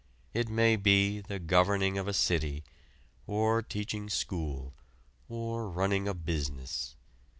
It may be the governing of a city, or teaching school, or running a business.